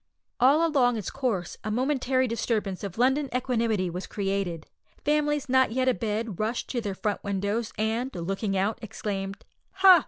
All along its course a momentary disturbance of London equanimity was created. Families not yet abed rushed to their front windows, and, looking out, exclaimed, "Ha!